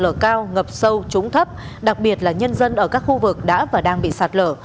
nơi có nguy cơ sạt lở cao ngập sâu trúng thấp đặc biệt là nhân dân ở các khu vực đã và đang bị sạt lở